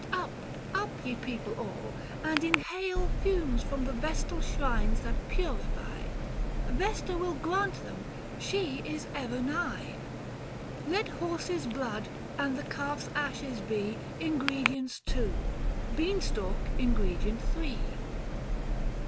840 Up, up, ye people all, up and inhale Fumes from the vestal shrine that purify, Yesta will grant them, she is ever nigh. Let horses' blood, and the calf's ashes be Ingredients two, bean stalk ingredient three.